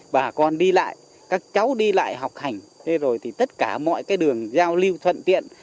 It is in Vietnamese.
bà con đi lại các cháu đi lại học hành thế rồi thì tất cả mọi cái đường giao lưu thuận tiện